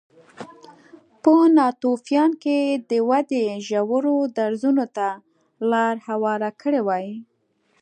په ناتوفیان کې دې ودې ژورو درزونو ته لار هواره کړې وای